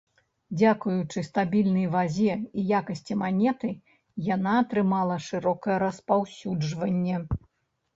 Дзякуючы стабільнай вазе і якасці манеты, яна атрымала шырокае распаўсюджванне.